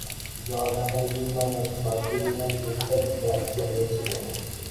জর্ডানের বিমানের ছয়টি বিমান ফিরতে ব্যর্থ হয়েছিল।